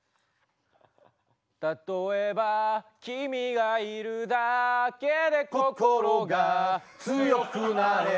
「たとえば君がいるだけで」「心が強くなれること」